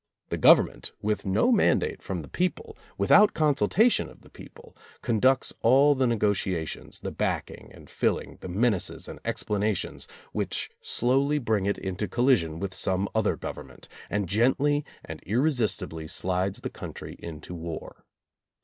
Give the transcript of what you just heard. The Government, with no mandate from the people, without consultation of the people, conducts all the negotiations, the backing and filling, the menaces and explanations, which slowly bring it into collision with some other Government, and gently and irresistibly slides the country into war.